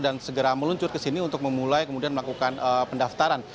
dan segera meluncur ke sini untuk memulai kemudian melakukan pendaftaran